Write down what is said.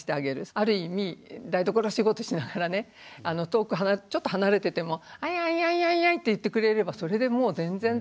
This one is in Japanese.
ある意味台所仕事しながらね遠くちょっと離れてても「アイアイアイアイアイ」って言ってくれればそれでもう全然。